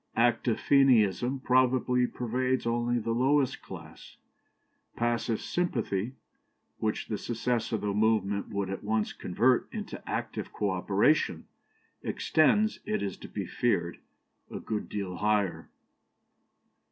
Active Fenianism probably pervades only the lowest class; passive sympathy, which the success of the movement would at once convert into active co operation, extends, it is to be feared, a good deal higher.